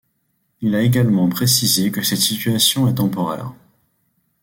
Il a également précisé que cette situation est temporaire.